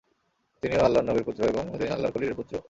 তিনিও আল্লাহর নবীর পুত্র এবং তিনি আল্লাহর খলীলের পুত্র।